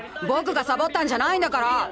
僕がさぼったんじゃないんだから。